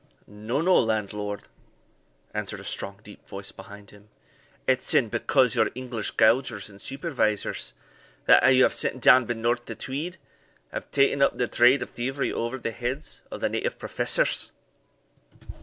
"No, no, landlord," answered a strong deep voice behind him, "it's e'en because your English gaugers and supervisors,* that you have sent down benorth the Tweed, have taen up the trade of thievery over the heads of the native professors."